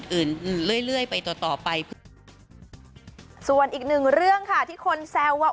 อื่นเรื่อยเรื่อยไปต่อต่อไปส่วนอีกหนึ่งเรื่องค่ะที่คนแซวว่า